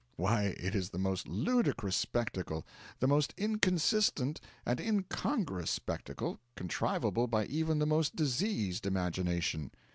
Why it is the most ludicrous spectacle, the most inconsistent and incongruous spectacle, contrivable by even the most diseased imagination.